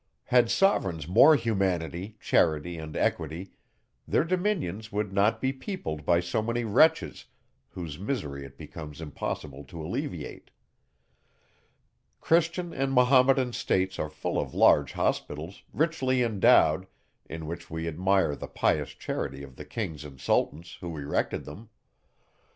Had sovereigns more humanity, charity, and equity, their dominions would not be peopled by so many wretches, whose misery it becomes impossible to alleviate. Christian and Mahometan states are full of large hospitals, richly endowed, in which we admire the pious charity of the kings and sultans, who erected them.